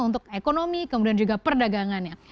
untuk ekonomi kemudian juga perdagangannya